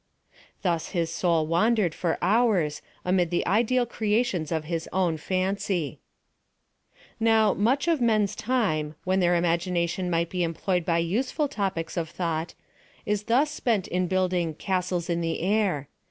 Thus his soul wandered, for hours, amid the ideal creations of his own fancy. Now, much of men's time, when their attention might be employed by useful topics of thought, is thus spent in building ' castles in the air.'